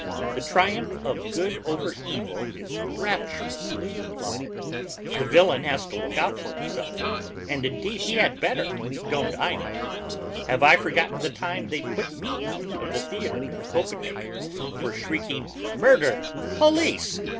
The triumph of good over evil is rapturously applauded; the villain has to look out for himself and indeed, he had better! Don't I know? Have I forgotten the time they put me out of the theater in Copenhagen for shrieking "Murder! Police!"